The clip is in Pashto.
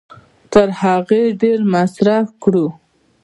تر هغې ډېر مصرف کړو